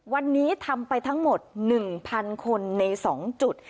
วันนี้ทำไปทั้งหมด๑๐๐คนใน๒จุด